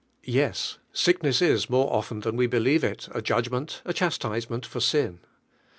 Yes sickness is more often than we he lieve it, u judgment, a chastisement for sin.